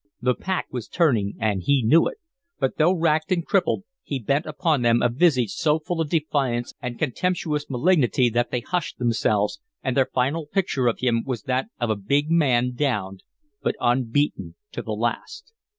The pack was turning and he knew it, but, though racked and crippled, he bent upon them a visage so full of defiance and contemptuous malignity that they hushed themselves, and their final picture of him was that of a big man downed, but unbeaten to the last.